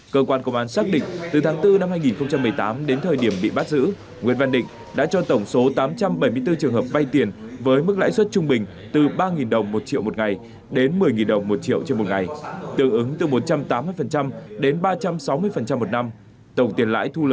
cơ quan công an xác định từ tháng bốn năm hai nghìn một mươi tám đến thời điểm bị bắt giữ nguyễn văn định đã cho tổng số tám trăm bảy mươi bốn trường hợp vay tiền với mức lãi suất trung bình từ ba đồng một ngày đến một mươi đồng một ngày